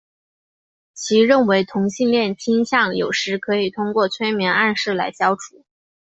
其认为同性恋倾向有时可以通过催眠暗示来消除。